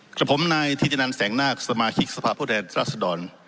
กระผมนายทิศินันแสงนาคสมาชิกสภาพ่อแทนรัฐสดร